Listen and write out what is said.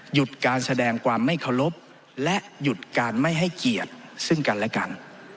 หยุดการแสดงความไม่เคารพและหยุดการไม่ให้เกียรติซึ่งกันและกัน